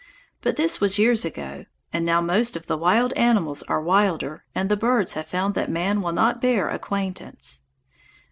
But this was years ago, and now most of the wild animals are wilder and the birds have found that man will not bear acquaintance.